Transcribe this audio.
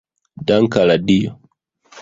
Dank' al Dio!